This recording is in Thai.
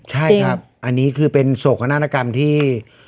ใช่ครับอันนี้คือเป็นโศกนาฏกรรมที่